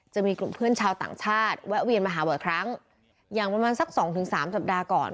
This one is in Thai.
จะมีกลุ่มเพื่อนชาวต่างชาติแวะเวียนมาหาบ่อยครั้งอย่างประมาณสักสองถึงสามสัปดาห์ก่อน